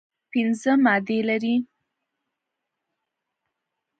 پنځه مادې لرلې.